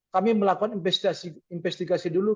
kami melakukan investigasi dulu